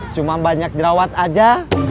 cuma banyak jerawat aja